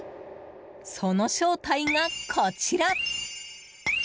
その正体が、こちら。